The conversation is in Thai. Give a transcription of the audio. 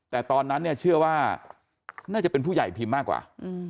แต่ตอนนั้นเนี่ยเชื่อว่าน่าจะเป็นผู้ใหญ่พิมพ์มากกว่า